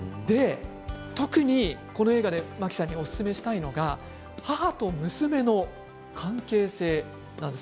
特にこの映画で真木さんにおすすめしたいのが母と娘の関係性なんです。